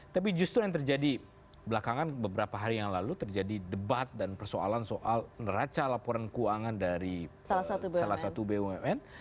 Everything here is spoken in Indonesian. tapi justru yang terjadi belakangan beberapa hari yang lalu terjadi debat dan persoalan soal neraca laporan keuangan dari salah satu bumn